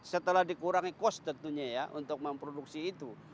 setelah dikurangi cost tentunya ya untuk memproduksi itu